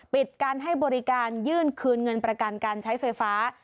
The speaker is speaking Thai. ปิดการให้บริการยื่นคืนเงินประกันการใช้ไฟฟ้า